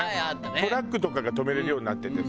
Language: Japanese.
トラックとかが止められるようになっててさ。